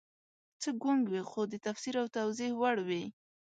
څه ګونګ وي خو د تفسیر او توضیح وړ وي